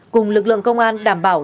cùng lực lượng công an đảm bảo